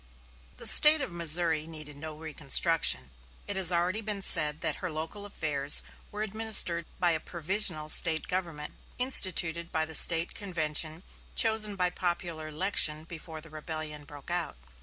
The State of Missouri needed no reconstruction. It has already been said that her local affairs were administered by a provisional State government instituted by the State convention chosen by popular election before rebellion broke out.